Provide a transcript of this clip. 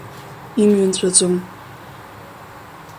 Имҩа нҵәаӡом!